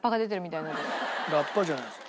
ラッパじゃないです。